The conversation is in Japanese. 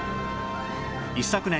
一昨年